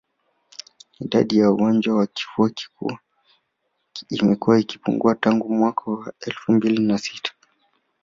Idadi ya wagonjwa wa kifua kikuu imekuwa ikipungua tangu mwaka elfu mbili na sita